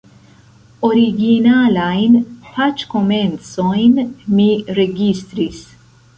Originalajn paĝkomencojn mi registris.